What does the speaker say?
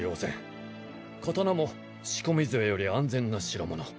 刀も仕込みづえより安全な代物。